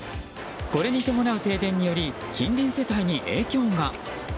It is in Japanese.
これに伴う停電により近隣世帯に影響が。